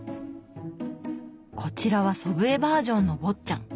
こちらは祖父江バージョンの「坊っちゃん」。